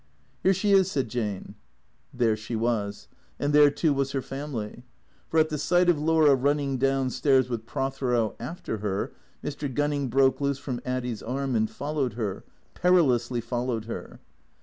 " Here she is," said Jane. There she was; and there, too, was her family. For, at the sight of Laura running down stairs with Prothero after her, Mr. Gunning broke loose from Addy's arm and followed her, peril ously followed her.